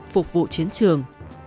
phục vụ chiến trường